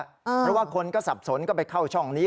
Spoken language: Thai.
เพราะว่าคนก็สับสนก็ไปเข้าช่องนี้